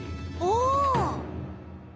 お！